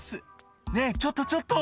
「ねぇちょっとちょっと」